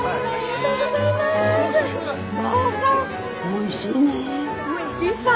おいしいさ。